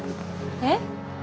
えっ？